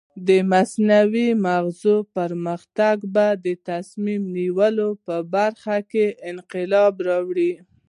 د مصنوعي مغزو پرمختګ به د تصمیم نیولو په برخه کې انقلاب راولي.